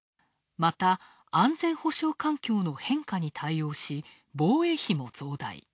また、安全保障環境の変化に対応し防衛費も増大。